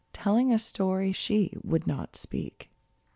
Telling a story she would not speak